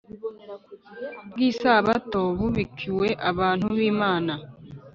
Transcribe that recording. bw isabato bubikiwe abantu b Imana